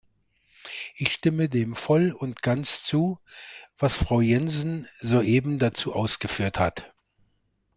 Ich stimme dem voll und ganz zu, was Frau Jensen soeben dazu ausgeführt hat.